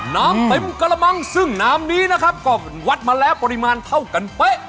น้ำเต็มกระมังซึ่งน้ำนี้นะครับก็วัดมาแล้วปริมาณเท่ากันเป๊ะ